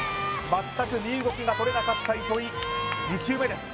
全く身動きがとれなかった糸井２球目です